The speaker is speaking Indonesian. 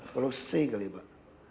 pulau c kali pak